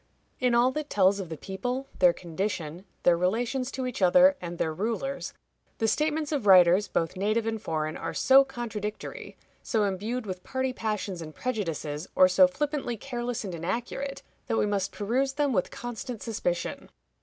In all that tells of the people, their condition, their relations to each other, and their rulers, the statements of writers, both native and foreign, are so contradictory, so imbued with party passions and prejudices, or so flippantly careless and inaccurate, that we must peruse them with constant suspicion.